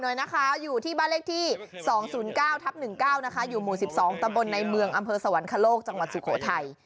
เห็นเรื่องอยู่ที่บ้านเลขที่๒๐๐๙๑๙อยู่หมู่๑๒ตำบลในเมืองอำเภอสวรรคโคลกจังหวัดสุโขทัย